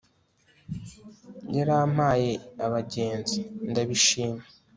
yarampaye abagenzi, ndabishima